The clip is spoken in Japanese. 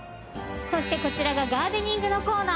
そしてこちらがガーデニングのコーナー。